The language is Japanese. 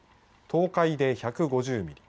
東海で１５０ミリ